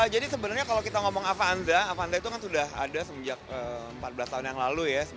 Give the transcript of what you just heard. jadi sebenarnya kalau kita ngomong avanza avanza itu kan sudah ada semenjak empat belas tahun yang lalu ya